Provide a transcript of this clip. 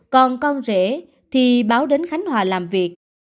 còn con rể thì báo đến khánh hòa làm việc